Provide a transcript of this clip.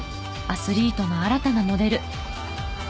アスリートの新たなモデル。